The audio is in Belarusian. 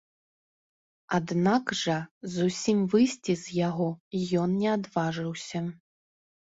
Аднак жа зусім выйсці з яго ён не адважыўся.